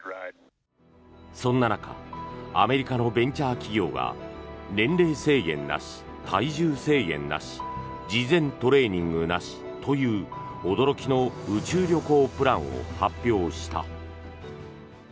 そんな中アメリカのベンチャー企業が年齢制限なし、体重制限なし事前トレーニングなしという驚きの宇宙旅行プランを発表した。